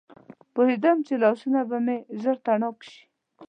پوهېدم چې لاسونه به مې ژر تڼاکي شي.